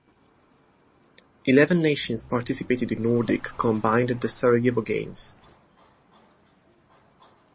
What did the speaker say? Eleven nations participated in nordic combined at the Sarajevo Games.